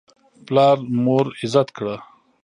پلار مور عزت کړه.